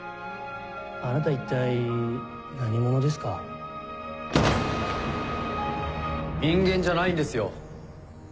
あなた一体何者です人間じゃないんですよ